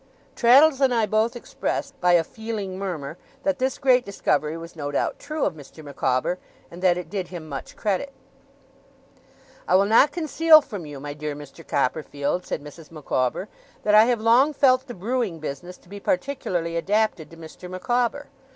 Traddles and I both expressed, by a feeling murmur, that this great discovery was no doubt true of Mr. Micawber, and that it did him much credit. 'I will not conceal from you, my dear Mr. Copperfield,' said Mrs. Micawber, 'that I have long felt the Brewing business to be particularly adapted to Mr. Micawber.